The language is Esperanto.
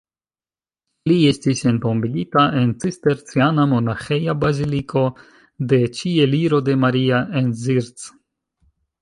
Li estis entombigita en Cisterciana Monaĥeja Baziliko de Ĉieliro de Maria en Zirc.